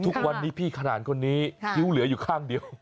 ทุกวันนี้พี่ขนาดคนนี้คิ้วเหลืออยู่ข้างเดียว